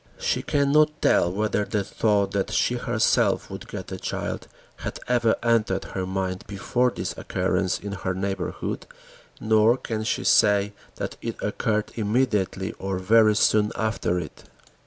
She cannot tell whether the thought that she herself would get a child had ever entered her mind before this occurrence in her neighborhood, nor can she say that it occurred immediately or very soon after it.